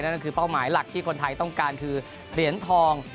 นั่นก็คือเป้าหมายหลักที่คนไทยต้องการคือเหรียญทอง